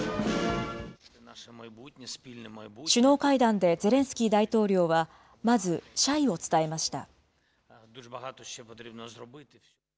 首脳会談で、ゼレンスキー大統領はまず謝意を伝えました。